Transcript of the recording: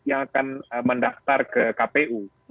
yang akan mendaftar ke kpu